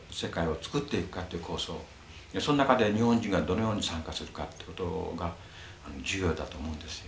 その中で日本人がどのように参加するかってことが重要だと思うんですよ。